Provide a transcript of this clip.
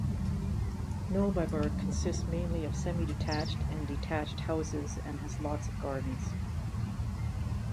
Neubiberg consists mainly of semi-detached and detached houses and has lots of gardens.